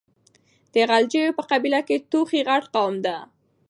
د غلجيو په قبيله کې توخي غټ قوم ده.